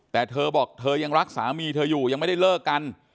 แต่เธอบอกเธอยังรักสามีเธออยู่ยังไม่ได้เลิกกัน